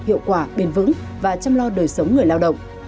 hiệu quả bền vững và chăm lo đời sống người lao động